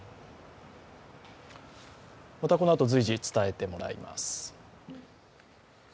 またこのあと随時伝えてもらいます。